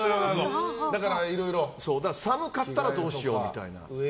だから寒かったらどうしようみたいな。